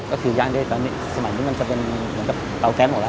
ก็คือย่างด้วยตอนนี้สมัยนี้มันจะเป็นเหมือนกับเตาแก๊สหมดแล้ว